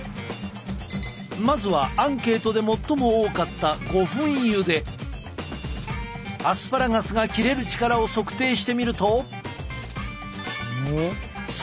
まずはアンケートで最も多かったアスパラガスが切れる力を測定してみると。